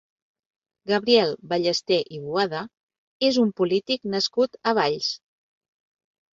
Gabriel Ballester i Boada és un polític nascut a Valls.